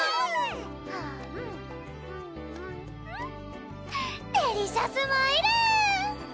あむデリシャスマイル！